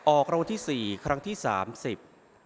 ออกรางวัลที่สี่ครั้งที่สามสิบ